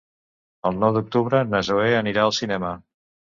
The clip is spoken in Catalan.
El nou d'octubre na Zoè anirà al cinema.